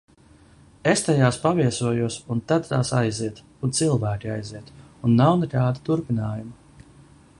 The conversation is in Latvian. Es tajās paviesojos, un tad tās aiziet. Un cilvēki aiziet. Un nav nekāda turpinājuma.